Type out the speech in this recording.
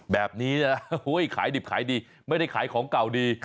แบบนี้นะขายดิบขายดีไม่ได้ขายของเก่าดี